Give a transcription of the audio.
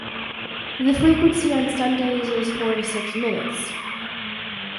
The frequency on Sundays is four to six minutes.